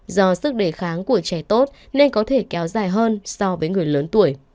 do sức đề kháng của trẻ tốt nên có thể kéo dài hơn so với người lớn tuổi